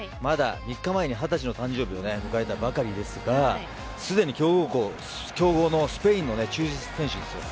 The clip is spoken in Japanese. ３日前に２０歳の誕生日を迎えたばかりですがすでに強豪のスペインの中心選手ですよ。